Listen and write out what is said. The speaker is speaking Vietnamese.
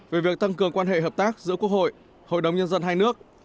về việc tăng cường quan hệ hợp tác giữa quốc hội hội đồng nhân dân hai nước